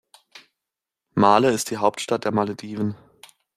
Malé ist die Hauptstadt der Malediven.